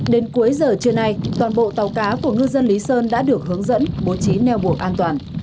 đến cuối giờ trưa nay toàn bộ tàu cá của ngư dân lý sơn đã được hướng dẫn bố trí neo bộ an toàn